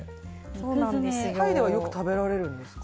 タイではよく食べられるんですか？